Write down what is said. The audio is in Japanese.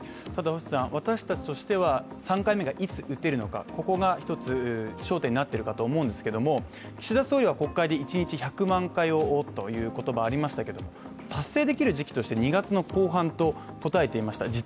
ただ星さん私たちとしては３回目がいつ打てるのか、ここが１つ焦点になっていると思うんですが岸田総理は国会で一日１００万回をということがありましたけれども達成できる時期として２月の後半と答えていました。